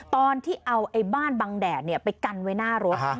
ตอนที่เอาบ้านบังแดดเนี่ยไปกันไว้หน้ารถ